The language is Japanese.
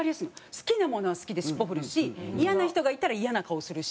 好きなものは好きで尻尾振るしイヤな人がいたらイヤな顔するし。